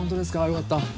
よかった。